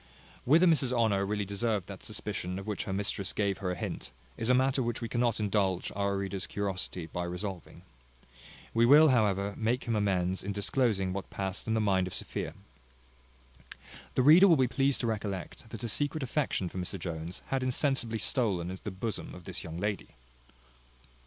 Whether Mrs Honour really deserved that suspicion, of which her mistress gave her a hint, is a matter which we cannot indulge our reader's curiosity by resolving. We will, however, make him amends in disclosing what passed in the mind of Sophia. The reader will be pleased to recollect, that a secret affection for Mr Jones had insensibly stolen into the bosom of this young lady.